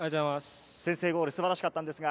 先制ゴール、素晴らしかったです。